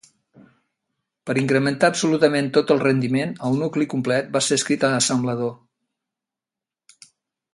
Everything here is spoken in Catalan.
Per incrementar absolutament tot el rendiment, el nucli complet va ser escrit en assemblador.